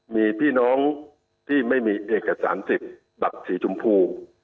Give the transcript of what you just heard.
มีพี่น้องที่ไม่มีเอกสารสิทธิ์บัตรสีชมพู